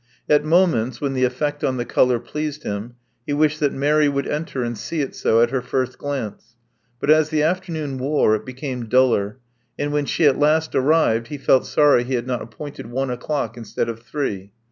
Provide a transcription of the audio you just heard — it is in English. At moments when the effect on the color pleased him, he wished that Mary would enter and see it so at her first glance. But as the afternoon wore, it became duller; and when she at last arrived, he felt sorry he had not appointed one o'clock instead of three.